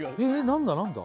何だ何だ？